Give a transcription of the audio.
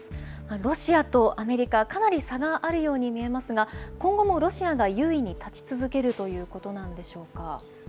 ロシアとアメリカ、かなり差があるように見えますが、今後もロシアが優位に立ち続けるということなんでしょうか。